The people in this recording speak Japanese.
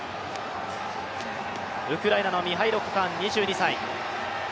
ウクライナのミハイロ・コカーン、２２歳。